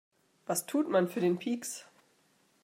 Was tut man für den Pieks?